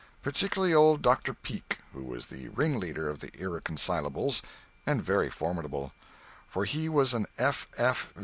Particularly old Dr. Peake, who was the ringleader of the irreconcilables, and very formidable; for he was an F.